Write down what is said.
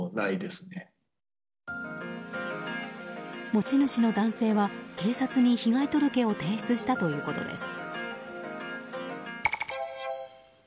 持ち主の男性は、警察に被害届を提出したということです。